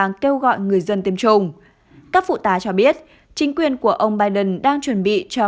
an kêu gọi người dân tiêm chủng các phụ tá cho biết chính quyền của ông biden đang chuẩn bị cho